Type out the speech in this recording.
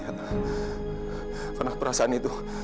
karena perasaan itu